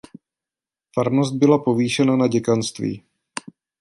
Farnost byla povýšena na děkanství.